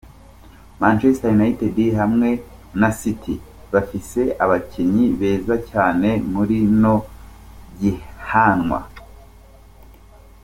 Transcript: Manchester United hamwe na City, bafise abakinyi beza cane muri rino higanwa.